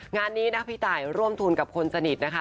งานนี้นะพี่ตายร่วมทุนกับคนสนิทนะคะ